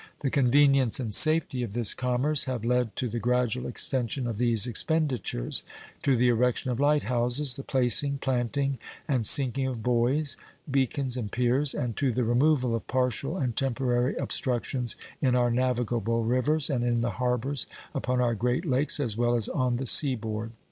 The convenience and safety of this commerce have led to the gradual extension of these expenditures; to the erection of light houses, the placing, planting, and sinking of buoys, beacons, and piers, and to the removal of partial and temporary obstructions in our navigable rivers and in the harbors upon our Great Lakes as well as on the sea board.